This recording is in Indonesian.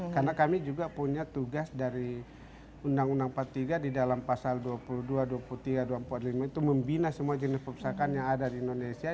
karena kami juga punya tugas dari undang undang empat puluh tiga di dalam pasal dua puluh dua dua puluh tiga dua puluh lima itu membina semua jenis perusahaan yang ada di indonesia